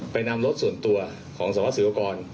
นำรถส่วนตัวของสวัสสิวกร